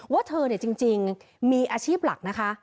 ว่าเธอจริงมีอาชีพหลักนะคะ